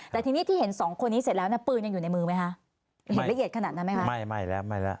แต่ที่เห็นสองคนนี้เสร็จแล้วปื้นยังอยู่ในมือไหม